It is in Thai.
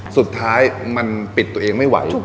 สุดท้ายมันปิดตัวเองไม่ไหว